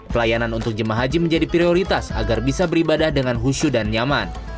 pelayanan untuk jemaah haji menjadi prioritas agar bisa beribadah dengan khusyu dan nyaman